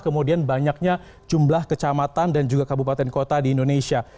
kemudian banyaknya jumlah kecamatan dan juga kabupaten kota di indonesia